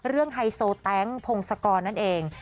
เรื่องไฮโซแท็งค์พงศกรนั่นเอง